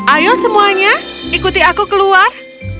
ayo semuanya ikuti aku keluar